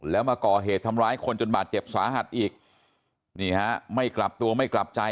แล้วมาก่อเหตุทำร้ายคนจนบาดเจ็บสาหัสอีกนี่ฮะไม่กลับตัวไม่กลับใจ